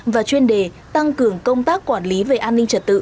và chuyên đề tăng cường công tác quản lý về an ninh trật tự